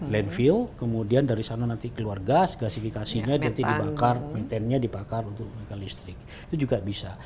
landfill kemudian dari sana nanti keluar gas gasifikasinya nanti dibakar metennya dibakar untuk mega listrik itu juga bisa